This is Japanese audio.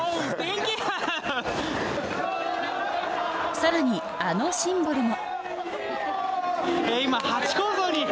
さらに、あのシンボルも。